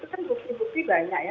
itu kan bukti bukti banyak ya